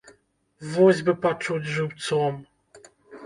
Вось бы пачуць жыўцом!